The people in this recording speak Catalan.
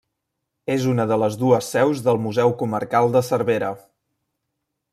És una de les dues seus del Museu Comarcal de Cervera.